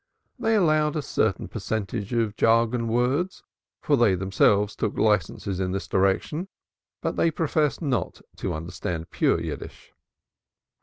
They allowed a certain percentage of jargon words, for they themselves took licenses in this direction, but they professed not to understand pure Yiddish.